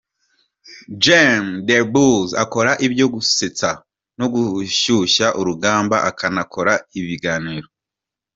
Jamel Debbouze akora ibyo gusetsa no gushyusha urugamba akanakora ibiganiro.